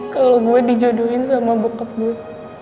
kalau gue dijodohin sama bokap gue